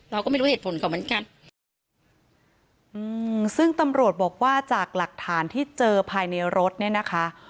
เราก็ไม่รู้เหตุผลเขาเหมือนกันอืมซึ่งตำรวจบอกว่าจากหลักฐานที่เจอภายในรถเนี่ยนะคะ